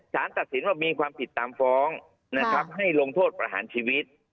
สารตัดสินว่ามีความผิดตามฟ้องนะครับให้ลงโทษประหารชีวิต